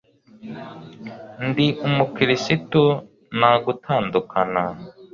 Ndi umukirisitu nta gutandukana